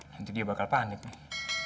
nanti dia bakal panik nih